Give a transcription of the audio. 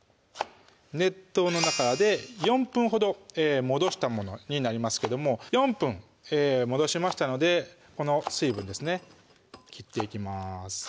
熱湯の中で４分ほど戻したものになりますけども４分戻しましたのでこの水分ですね切っていきます